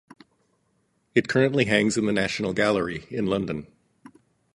It currently hangs in the National Gallery in London.